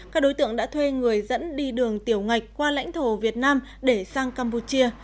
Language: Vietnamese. các đối tượng đã thuê người dẫn đi đường tiểu ngạch qua lãnh thổ việt nam để sang campuchia